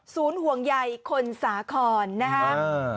ศูนย์ห่วงใหญ่คนสาขอนนะครับ